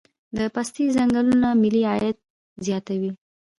د پستې ځنګلونه ملي عاید زیاتوي